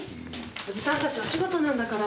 おじさんたちお仕事なんだから。